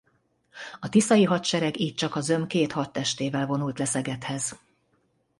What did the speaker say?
A tiszai hadsereg így csak a zöm két hadtestével vonult le Szegedhez.